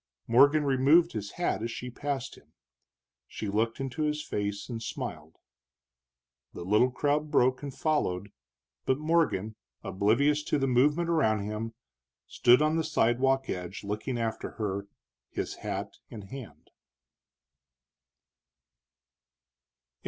Morgan removed his hat as she passed him. She looked into his face and smiled. The little crowd broke and followed, but Morgan, oblivious to the movement around him, stood on the sidewalk edge looking after her, his hat in his hand.